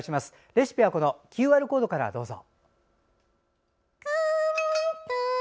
レシピはＱＲコードからどうぞ。